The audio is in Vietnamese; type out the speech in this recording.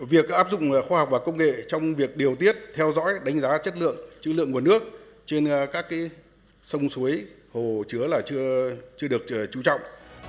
việc áp dụng khoa học và công nghệ trong việc điều tiết theo dõi đánh giá chất lượng chữ lượng nguồn nước trên các sông suối hồ chứa là chưa được chú trọng